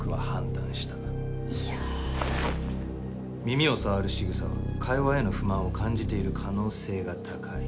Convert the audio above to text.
耳を触るしぐさは会話への不満を感じている可能性が高い。